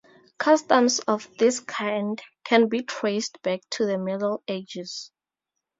Customs of this kind can be traced back to the Middle Ages.